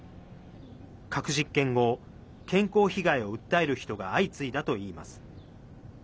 核実験後、健康被害を訴える人が相次いだといいます。